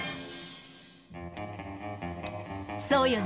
そうよね